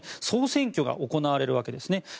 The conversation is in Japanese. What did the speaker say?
総選挙が行われるわけですね。